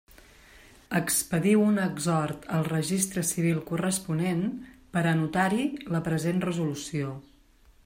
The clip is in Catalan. Expediu un exhort al registre civil corresponent per a anotar-hi la present resolució.